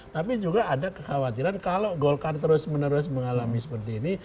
tapi juga ada kekhawatiran kalau golkar terus menerus mengalami seperti ini